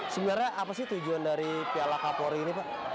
sebenarnya apa sih tujuan dari piala kapolri ini pak